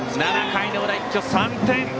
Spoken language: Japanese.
７回の裏、一挙３点！